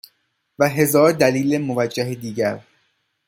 و هزار دلیل موجه دیگر